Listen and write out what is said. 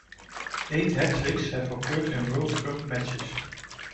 Eight hat-tricks have occurred in World Cup matches.